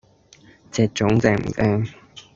隻糉正唔正